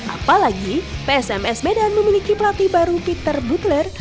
apalagi psms medan memiliki pelatih baru peter butler